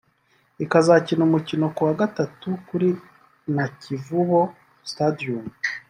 ikazakina umukino ku wa gatatu kuri Nakivubo Stadium